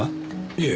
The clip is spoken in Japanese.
いえ。